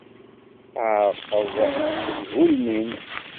Tɣerqeḍ deg ugelmim.